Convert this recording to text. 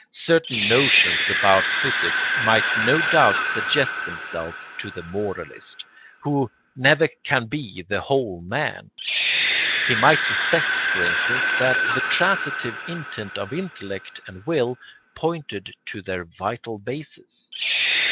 Certain notions about physics might no doubt suggest themselves to the moralist, who never can be the whole man; he might suspect, for instance, that the transitive intent of intellect and will pointed to their vital basis.